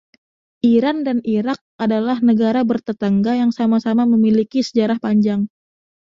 Iran dan Irak adalah negara bertetangga yang sama-sama memiliki sejarah panjang.